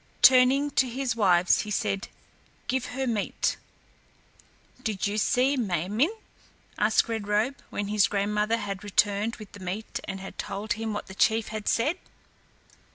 Turning to his wives he said, "Give her meat." "Did you see Ma min´?" asked Red Robe, when his grandmother had returned with the meat and had told him what the chief had said.